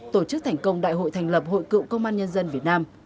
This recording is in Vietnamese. tổ chức thành công đại hội thành lập hội cựu công an nhân dân việt nam